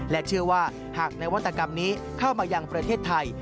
เชื่อว่าหากนวัตกรรมนี้เข้ามายังประเทศไทย